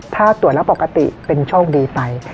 ถ้าตรวจแล้วปกติเป็นโชคดีไป